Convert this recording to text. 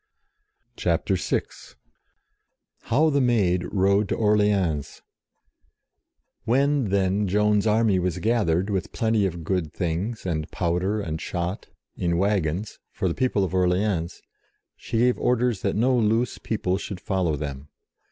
CHAPTER VI HOW THE MAID RODE TO ORLEANS TT[7HEN Joan's army was gathered, with " plenty of good things, and powder and shot, in waggons, for the people of Orleans, she gave orders that no loose people should follow them.